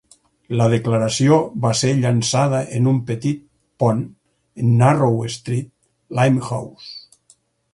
La declaració va ser llançada en un petit pont en Narrow Street, Limehouse.